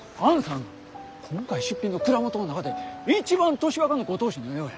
今回出品の蔵元の中で一番年若のご当主のようや。